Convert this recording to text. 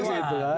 saya baru mau